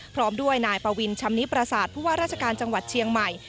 พร้อมด้วยนายปวินชำนิปราศาสตร์ผู้ว่าราชการจังหวัดเชียงใหม่